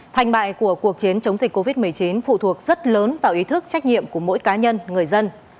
thành bại của cuộc chiến chống dịch covid một mươi chín phụ thuộc rất lớn vào ý thức trách nhiệm của mỗi cá nhân người dân